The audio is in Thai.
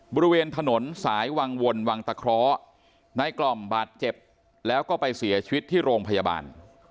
บริเวณถนนสายวังวนวังตะเคราะห์นายกล่อมบาดเจ็บแล้วก็ไปเสียชีวิตที่โรงพยาบาล